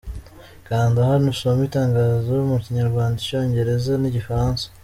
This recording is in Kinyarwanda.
Kanda hano usome itangazo mu Kinyarwanda, icyongereza n’igifaransa.